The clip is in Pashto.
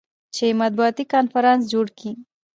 چې مطبوعاتي کنفرانس جوړ کي.